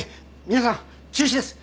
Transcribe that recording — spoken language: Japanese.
皆さん中止です。